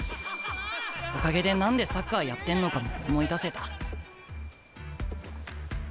おかげで何でサッカーやってんのかも思い出せた。